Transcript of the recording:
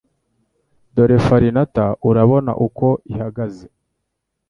Dore Farinata urabona uko ihagaze